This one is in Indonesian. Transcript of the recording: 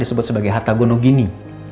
disebut sebagai harta gonogini